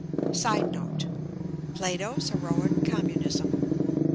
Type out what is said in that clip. [Sidenote: Plato's heroic communism.